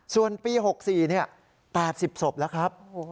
ส่วนปี๖๔๘๐ศพแล้วครับ